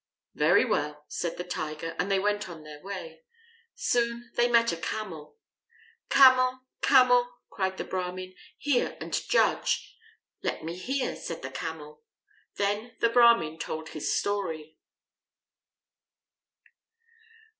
"Very well," said the Tiger, and they went on their way. Soon they met a Camel. "Camel, Camel," cried the Brahmin, "hear and judge." "Let me hear," said the Camel. Then the Brahmin told his story.